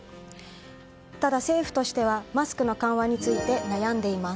ただ、政府としてはマスクの緩和について悩んでいます。